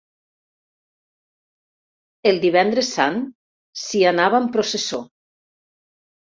El divendres Sant s'hi anava en processó.